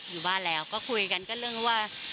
อยู่บ้านแล้วก็คุยกันก็เรื่องว่า